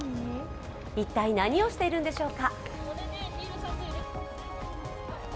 一体何をしているんでしょうか？